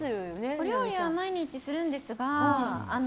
お料理は毎日するんですが何やってるの？